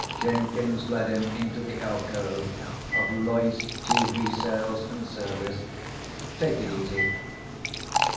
Jenkins led him into the alcove of LOYCE TV SALES AND SERVICE. "Take it easy."